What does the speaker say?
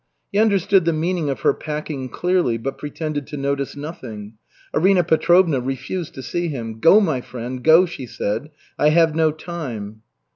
He understood the meaning of her packing clearly, but pretended to notice nothing. Arina Petrovna refused to see him. "Go, my friend, go," she said. "I have no time."